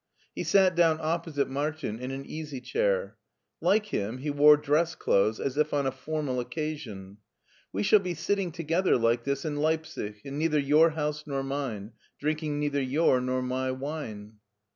'* He sat down opposite Martin in an easy chair. Like him he wore dress clothes, as if on a formal occasion. "We shall be sitting together like this in Leipsic, in neither your house nor mine, drinking neither your nor my wine."